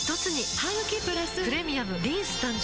ハグキプラス「プレミアムリンス」誕生